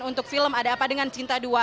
untuk film ada apa dengan cinta dua